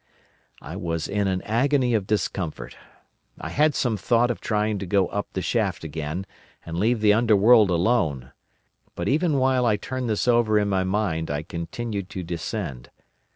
"I was in an agony of discomfort. I had some thought of trying to go up the shaft again, and leave the Underworld alone. But even while I turned this over in my mind I continued to descend.